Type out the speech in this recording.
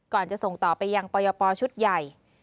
จะส่งต่อไปยังปยปชุดใหญ่